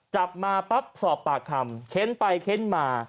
จับมาปั๊บสอบปากคำเค้นไปเค้นมา